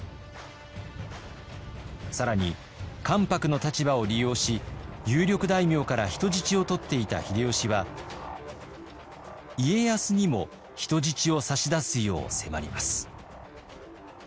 更に関白の立場を利用し有力大名から人質を取っていた秀吉は家康にも人質を差し出すよう迫ります。